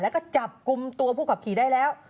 แล้วก็จับกลุ่มตัวผู้ขับขี่ได้แล้ว